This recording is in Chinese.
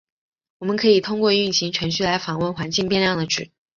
我们可以通过运行程序来访问环境变量的值。